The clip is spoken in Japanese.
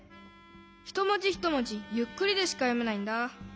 ひともじひともじゆっくりでしかよめないんだ。